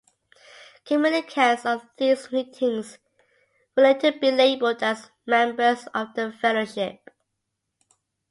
Communicants of these meetings would later be labelled as members of "The Fellowship".